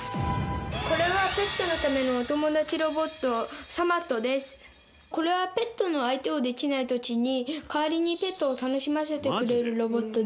これはこれはペットの相手をできない時に代わりにペットを楽しませてくれるロボットです。